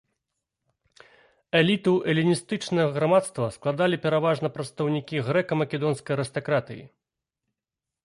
Эліту эліністычнага грамадства складалі пераважна прадстаўнікі грэка-македонскай арыстакратыі.